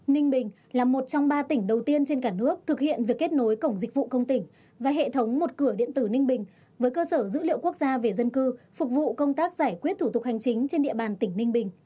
ninh bình là một trong ba tỉnh đầu tiên trên cả nước thực hiện việc kết nối cổng dịch vụ công tỉnh và hệ thống một cửa điện tử ninh bình với cơ sở dữ liệu quốc gia về dân cư phục vụ công tác giải quyết thủ tục hành chính trên địa bàn tỉnh ninh bình